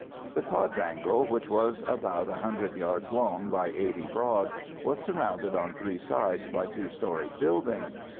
The quadrangle, which was about 100 yards long by 80 broad, was surrounded on three sides by two storied buildings.